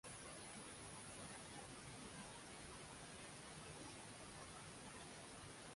এছাড়াও, নিচেরসারিতে কার্যকরী ব্যাটিংশৈলী উপস্থাপন করেছেন তিনি।